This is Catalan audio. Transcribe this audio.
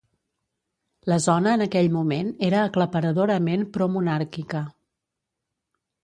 La zona en aquell moment era aclaparadorament promonàrquica.